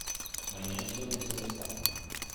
Baina ez zuen ezer esan.